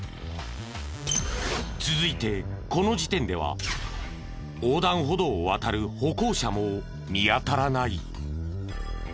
続いてこの時点では横断歩道を渡る歩行者も見当たらない。